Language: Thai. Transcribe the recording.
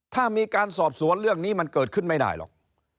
ถ้ามีการสอบสวนเรื่องนี้มันเกิดขึ้นไม่ได้หรอก